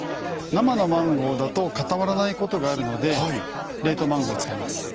生のマンゴーだと固まらないことがあるので冷凍マンゴーを使います。